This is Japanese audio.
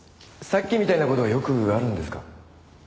さっきみたいな事はよくあるんですか？